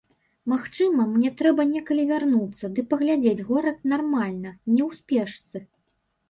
Магчыма, мне трэба некалі вярнуцца ды паглядзець горад нармальна, не ў спешцы.